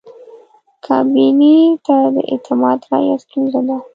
کابینې ته د اعتماد رایه ستونزه ده.